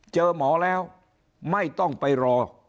เจอหมอแล้วไม่ต้องไปรอ